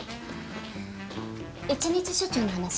１日署長の話？